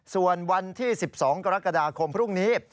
ส่วนวันที่๑๒กรกฎาคมพรุ่งนี้